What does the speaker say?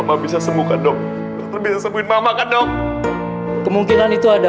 mama jangan digituin ma